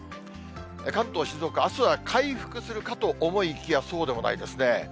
関東、静岡、あすは回復するかと思いきや、そうでもないですね。